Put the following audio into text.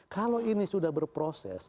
kalau ini sudah berproses